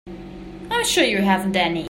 I'm sure you haven't any.